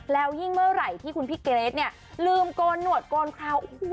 แล้วยิ่งเมื่อไหร่ที่พี่เกรดลืมก้นหนวดก้นคราว